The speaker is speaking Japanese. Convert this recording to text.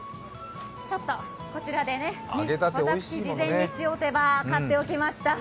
こちらで私、事前にしおてば買っておきました。